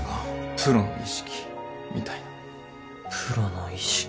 プロの意識みたいなプロの意識